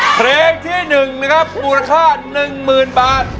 เพลงที่๑นะครับมูลค่า๑๐๐๐บาท